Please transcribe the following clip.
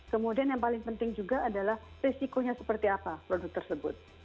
kemudian yang paling penting juga adalah risikonya seperti apa produk tersebut